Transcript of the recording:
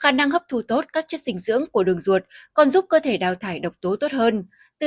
khả năng hấp thu tốt các chất dinh dưỡng của đường ruột còn giúp cơ thể đào thải độc tố tốt hơn từ